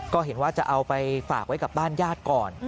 ก็เห็นว่าจะเอาไปฝากไว้กับบ้านญาติก่อน